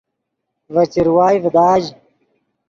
ڤے چروائے ڤداژ